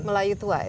melayu tua itu